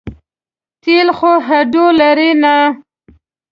تېل خو هډو لري نه.